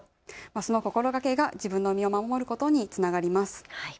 その心がけが自分の身を守ることにつながります。